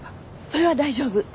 それは大丈夫。